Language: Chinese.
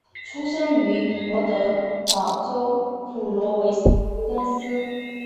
出生于罗德岛州普罗维登斯。